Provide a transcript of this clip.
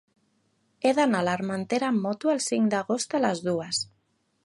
He d'anar a l'Armentera amb moto el cinc d'agost a les dues.